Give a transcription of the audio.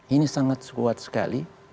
ini sangat kuat sekali